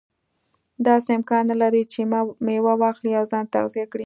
داسې امکان نه لري چې میوه واخلي او ځان تغذیه کړي.